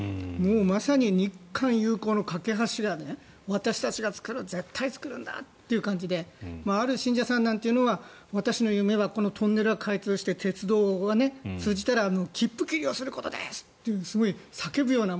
まさに日韓友好の懸け橋だとか私たちが造る絶対造るんだという感じである信者さんなんていうのは私の夢はこのトンネルが開通して鉄道が通じたら切符切りをすることですってすごい叫ぶような。